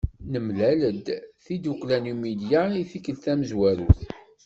Nemlal-d tiddukkla Numidya i tikkelt tamezwarut.